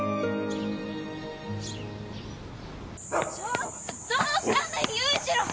ちょっとどうしたんだよ裕次郎！